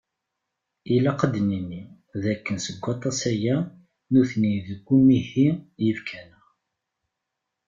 Ilaq ad d-nini d akken seg waṭas-aya, nutni deg umihi yibkan-a.